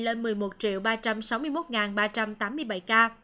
đơn tổng số ca mắc tại nước này lên một mươi một ba trăm sáu mươi một ba trăm tám mươi bảy ca